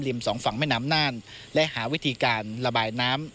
สองฝั่งแม่น้ำน่านและหาวิธีการระบายน้ำ